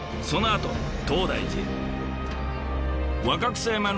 そのあと東大寺へ。